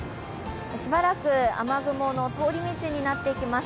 しばらく雨雲の通り道になってきます。